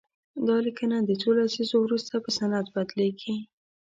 دا لیکنه د څو لسیزو وروسته په سند بدليږي.